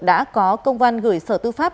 đã có công văn gửi sở tư pháp